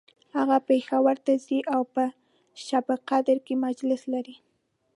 هغه پیښور ته ځي او په شبقدر کی مجلس لري